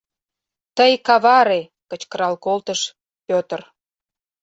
— Тый каваре! — кычкырал колтыш Петр.